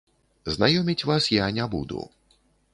Знаёміць вас я не буду.